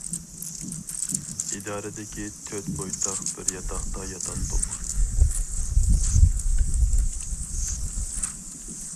ئىدارىدىكى تۆت بويتاق بىر ياتاقتا ياتاتتۇق.